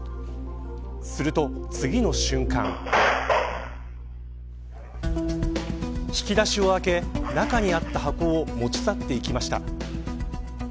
すると、次の瞬間引き出しを開け中にあった箱を持ち去っていきました。